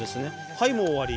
はいもう終わり。